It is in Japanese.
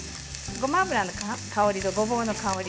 ごま油の香りと、ごぼうの香り